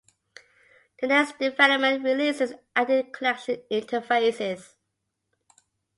The next development releases added connection interfaces.